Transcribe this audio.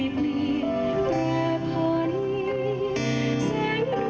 แสงรวดปัญญาก่อกำเนิดเข้า